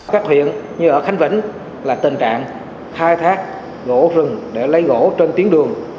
các huyện như ở khánh vĩnh là tình trạng khai thác gỗ rừng để lấy gỗ trên tuyến đường